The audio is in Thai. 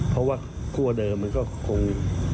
เพราะว่าคั่วเดิมมันก็คง